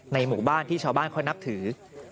หมู่บ้านที่ชาวบ้านเขานับถือ